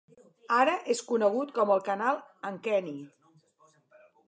Ara és conegut com el canal Ankeny.